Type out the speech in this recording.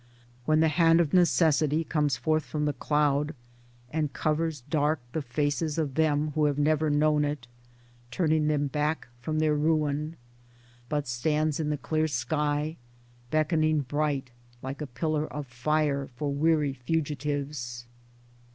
When the hand of Necessity comes forth from the cloud and covers dark the faces of them who have never known it, turning them back from their ruin — but stands in the clear sky, beckoning bright, like a pillar of fire for weary fugitives